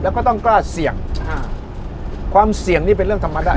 แล้วก็ต้องกล้าเสี่ยงอ่าความเสี่ยงนี่เป็นเรื่องธรรมดา